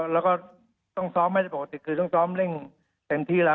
แล้วก็ต้องซ้อมไม่ได้ปกติคือต้องซ้อมเร่งเต็มที่แล้ว